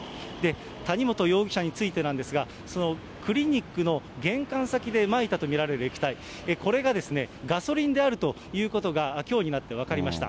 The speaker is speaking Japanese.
谷本容疑者についてなんですが、クリニックの玄関先でまいたと見られる液体、これがガソリンであるということが、きょうになって分かりました。